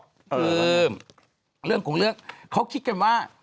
คือเรื่องของเรื่องเขาคิดกันว่า